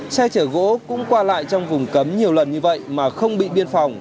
xe chở gỗ cũng qua lại trong vùng cấm nhiều lần như vậy mà không bị biên phòng